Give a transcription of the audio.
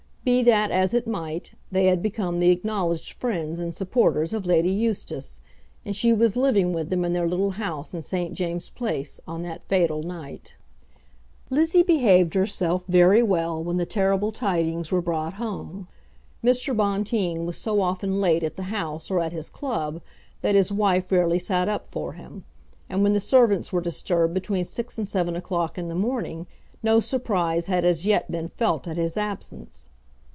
Be that as it might, they had become the acknowledged friends and supporters of Lady Eustace, and she was living with them in their little house in St. James's Place on that fatal night. [Illustration: Lizzie Eustace.] Lizzie behaved herself very well when the terrible tidings were brought home. Mr. Bonteen was so often late at the House or at his club that his wife rarely sat up for him; and when the servants were disturbed between six and seven o'clock in the morning, no surprise had as yet been felt at his absence.